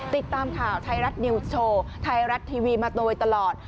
ติดตามข่าวไทยรัฐนิวส์โชว์ไทยรัฐทีวีมาโดยตลอด